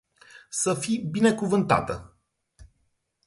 Sa fi binecuvanata.